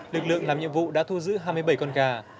lực lượng làm nhiệm vụ đã thu giữ hai mươi bảy con gà